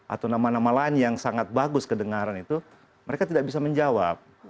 atau nama nama lain yang sangat bagus kedengaran itu mereka tidak bisa menjawab